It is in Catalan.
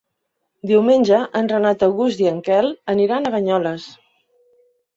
Diumenge en Renat August i en Quel aniran a Banyoles.